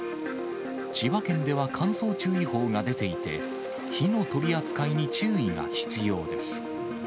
千葉県では乾燥注意報が出ていて、火の取り扱いに注意が必要です。